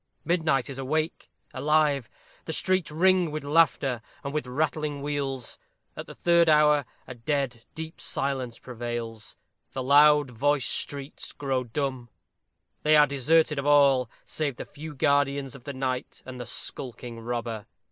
Midnight is awake alive; the streets ring with laughter and with rattling wheels. At the third hour, a dead, deep silence prevails; the loud voiced streets grow dumb. They are deserted of all, save the few guardians of the night and the skulking robber.